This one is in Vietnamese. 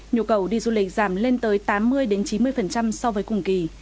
nhu cầu đi du lịch giảm lên tới tám mươi chín mươi so với cùng kỳ